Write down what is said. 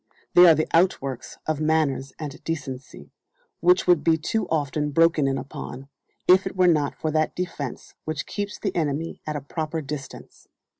They are the outworks of manners and decency, which would be too often broken in upon, if it were not for that defence which keeps the enemy at a proper distance.